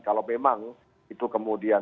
kalau memang itu kemudian